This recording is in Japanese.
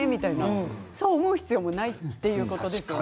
でもそう思う必要はないということですね。